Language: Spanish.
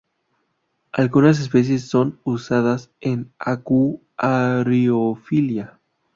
Algunas especies son usadas en Acuariofilia.